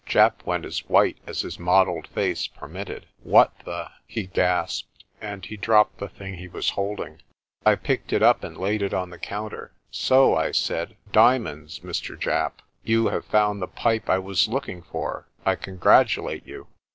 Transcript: Japp went as white as his mottled face permitted. "What the " he gasped, and he dropped the thing he was holding. I picked it up, and laid it on the counter. "So," I said, "diamonds, Mr. Japp. You have found the pipe I was looking for. I congratulate you."